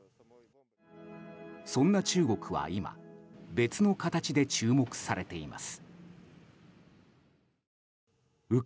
そんな中国は今別の形で注目されています。